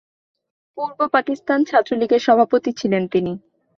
পূর্ব পাকিস্তান ছাত্রলীগের সভাপতি ছিলেন তিনি।